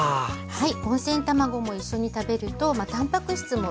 はい。